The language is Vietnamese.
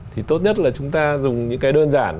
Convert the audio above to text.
thì tốt nhất là chúng ta dùng những cái đơn giản